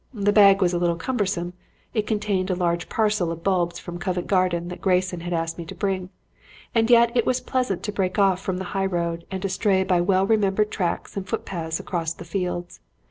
The bag was a little cumbersome it contained a large parcel of bulbs from Covent Garden that Grayson had asked me to bring and yet it was pleasant to break off from the high road and stray by well remembered tracks and footpaths across the fields.